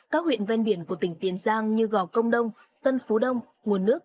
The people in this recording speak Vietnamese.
các huyện ven biển của tỉnh tiền giang như gò công đông tân phú đông nguồn nước